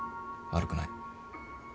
悪くない。